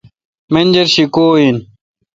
منجر شی کو این؟